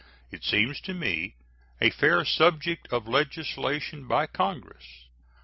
It seems to me a fair subject of legislation by Congress.